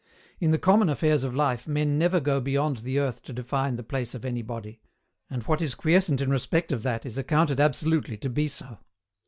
In the common affairs of life men never go beyond the earth to define the place of any body; and what is quiescent in respect of that is accounted absolutely to be so.